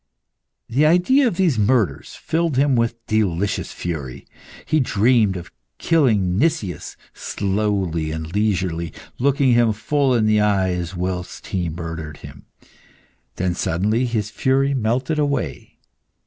The idea of these murders filled him with delicious fury. He dreamed of killing Nicias slowly and leisurely, looking him full in the eyes whilst he murdered him. Then suddenly his fury melted away.